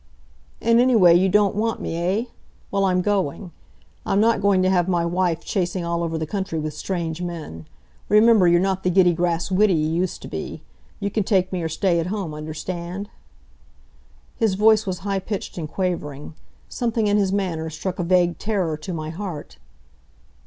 "And anyway, you don't want me, eh? Well, I'm going. I'm not going to have my wife chasing all over the country with strange men. Remember, you're not the giddy grass widdy you used to be. You can take me, or stay at home, understand?" His voice was high pitched and quavering. Something in his manner struck a vague terror to my heart.